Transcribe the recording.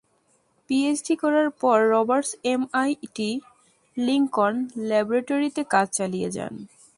PhD করার পরে Roberts MIT Lincoln ল্যাবরেটরিতে কাজ চালিয়ে যান।